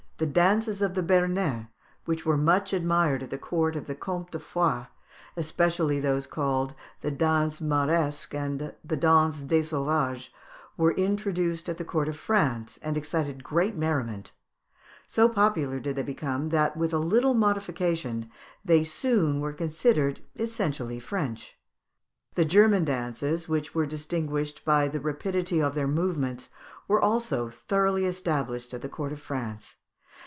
] In 1548, the dances of the Béarnais, which were much admired at the court of the Comtes de Foix, especially those called the danse mauresque and the danse des sauvages, were introduced at the court of France, and excited great merriment. So popular did they become, that with a little modification they soon were considered essentially French. The German dances, which were distinguished by the rapidity of their movements, were also thoroughly established at the court of France.